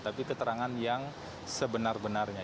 tapi keterangan yang sebenar benarnya